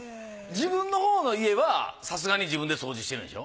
自分のほうの家はさすがに自分で掃除してるんでしょ？